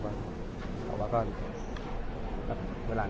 แต่ว่าก็เวลานั้น